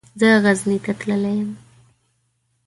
زه غزني ته تللی يم.